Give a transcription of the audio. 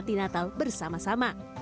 hati natal bersama sama